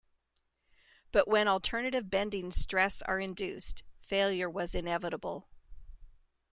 But when alternative bending stress are induced, failure was inevitable.